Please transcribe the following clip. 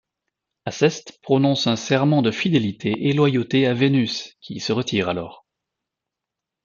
Aceste prononce un serment de fidélité et loyauté à Vénus, qui se retire alors.